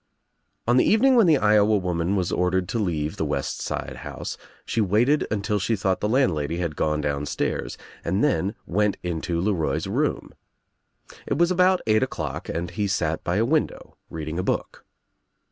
On the evening when the Iowa woman was ordered to leave the west side house, she waited until she thought the landlady had gone down stairs, and then went into LeRoy's room. It was about eight o'clock. and he sat by a window reading a book.